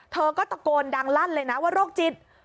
เธอก็ตะโกนดังลั่นเลยนะว่าโรคจิต